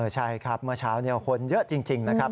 ใช่ครับเมื่อเช้าคนเยอะจริงนะครับ